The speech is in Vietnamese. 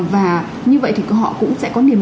và như vậy thì họ cũng sẽ có niềm